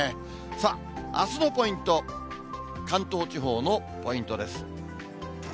さあ、あすのポイント、関東地方のポイントです。